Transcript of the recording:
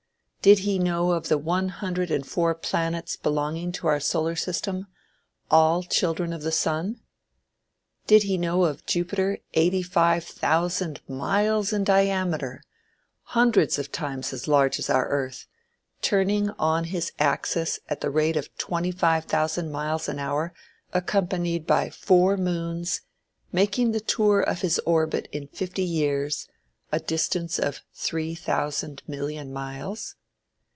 Did he know of the one hundred and four planets belonging to our solar system, all children of the sun? Did he know of Jupiter eighty five thousand miles in diameter, hundreds of times as large as our earth, turning on his axis at the rate of twenty five thousand miles an hour accompanied by four moons, making the tour of his orbit in fifty years, a distance of three thousand million miles?